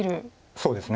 そうですね。